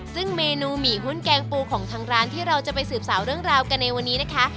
ซึ่งเมนูหมี่หุ้นแกงปูของทางร้านที่เราจะไปสืบสาวเรื่องราวกันในวันนี้นะคะ